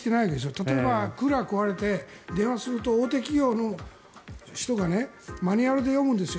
例えば、クーラーが壊れて電話をすると大手企業の人がマニュアルで読むんですよ。